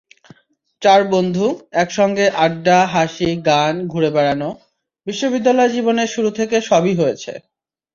চার বন্ধু, একসঙ্গে আড্ডা, হাসি, গান, ঘুরে বেড়ানো—বিশ্ববিদ্যালয়জীবনের শুরু থেকে সবই হয়েছে।